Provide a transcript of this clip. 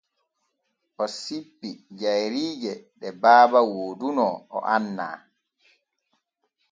O sippi jayriije ɗe baaba wooduno o annaa.